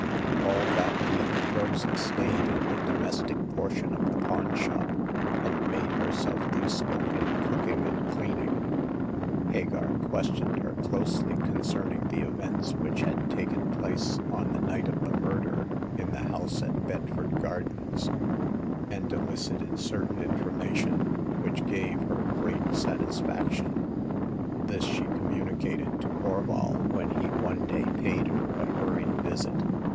*' All that week Rosa stayed in the domestic portion of the pawn shop, and made herself use ful in cooking and cleaning. Hagar questioned her closely concerning the events which had taken place on the night of the murder in the house at Bedford Gardens, and elicited certain information which gave her great satisfaction. This she communicated to Horval when he one day paid her a hurried visit.